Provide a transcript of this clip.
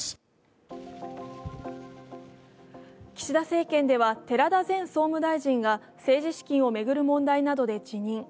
岸田政権では寺田前総務大臣が政治資金を巡る問題などで辞任。